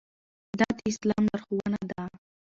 دا د اسلام لارښوونه ده.